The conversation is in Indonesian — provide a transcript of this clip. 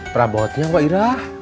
prabutnya mbak irah